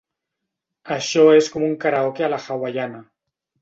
Això és com un karaoke a la hawaiiana.